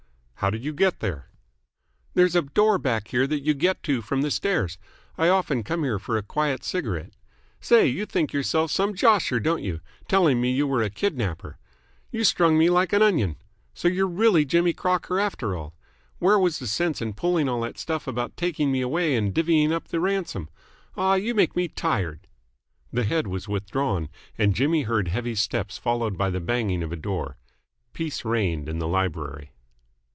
"How did you get there?" "There's a door back here that you get to from the stairs. I often come here for a quiet cigarette. Say, you think yourself some josher, don't you, telling me you were a kidnapper! You strung me like an onion. So you're really Jimmy Crocker after all? Where was the sense in pulling all that stuff about taking me away and divvying up the ransom? Aw, you make me tired!" The head was withdrawn, and Jimmy heard heavy steps followed by the banging of a door. Peace reigned in the library.